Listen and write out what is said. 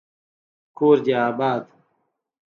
کور دي اباد